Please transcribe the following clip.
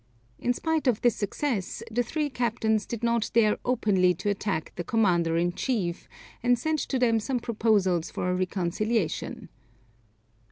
In spite of this success, the three captains did not dare openly to attack the commander in chief, and sent to him some proposals for a reconciliation.